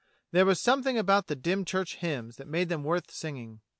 There was something about the Dymchurch hymns that made them worth singing.